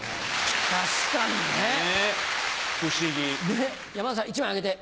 ねっ山田さん１枚あげて。